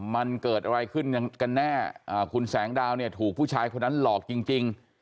มันเกิดอะไรขึ้นกันแน่คุณแสงดาวเนี่ยถูกผู้ชายคนนั้นหลอกจริง